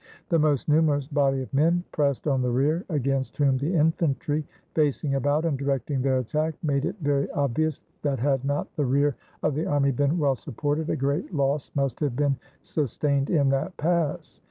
The most numerous body of men pressed on the rear ; against whom the infantry, facing about and directing their attack, made it very obvious that had not the rear of the army been well supported, a great loss must have been sustained in that pass.